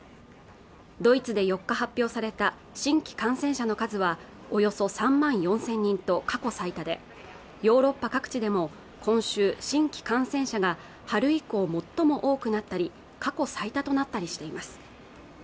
ドイツで４日発表された新規感染者の数はおよそ３万４０００人と過去最多でヨーロッパ各地でも今週新規感染者が春以降最も多くなったり過去最多となったりしています